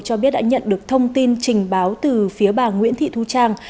cho biết đã nhận được thông tin trình báo từ phía bà nguyễn thị thu trang